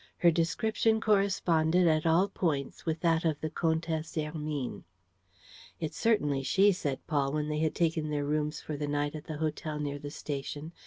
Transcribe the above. Her description corresponded at all points with that of the Comtesse Hermine. "It's certainly she," said Paul, when they had taken their rooms for the night at the hotel near the station.